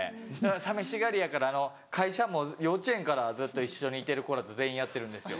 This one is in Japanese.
寂しがりやから会社も幼稚園からずっと一緒にいてる子らと全員やってるんですよ。